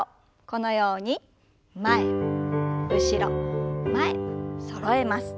このように前後ろ前そろえます。